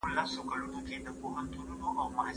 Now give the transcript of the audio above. هغه د هېواد د پرمختګ لپاره مشوره ورکړه.